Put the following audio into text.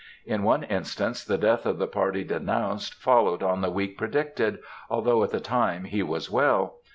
In one instance, the death of the party denounced, followed on the week predicted, although at the time he was well.